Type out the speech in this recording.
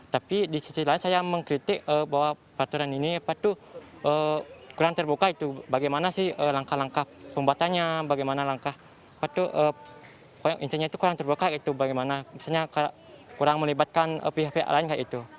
tapi di sisi lain saya mengkritik bahwa peraturan ini kurang terbuka itu bagaimana sih langkah langkah pembuatannya bagaimana langkah intinya itu kurang terbuka itu bagaimana misalnya kurang melibatkan pihak pihak lain